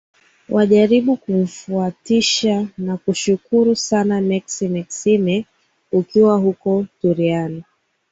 wajaribu kumfuatisha nakushukuru sana mex mexime ukiwa huko turiani